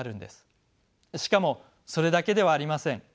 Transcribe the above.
しかもそれだけではありません。